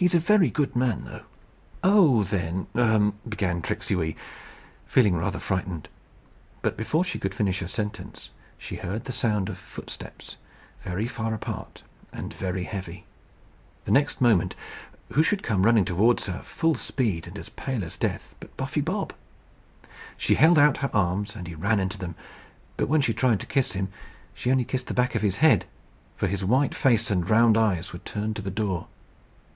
He's a very good man though." "Oh! then " began Tricksey Wee, feeling rather frightened; but before she could finish her sentence she heard the sound of footsteps very far apart and very heavy. The next moment, who should come running towards her, full speed, and as pale as death, but Buffy Bob. She held out her arms, and he ran into them. But when she tried to kiss him, she only kissed the back of his head; for his white face and round eyes were turned to the door.